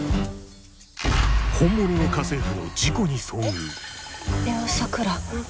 ホンモノの家政婦の事故に遭遇美羽さくら。